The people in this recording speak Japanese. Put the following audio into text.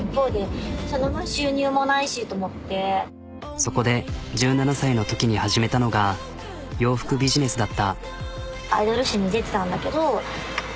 そこで１７歳のときに始めたのが洋服ビジネスだった。